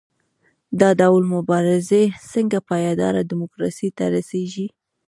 دا ډول مبارزې څنګه پایداره ډیموکراسۍ ته رسیږي؟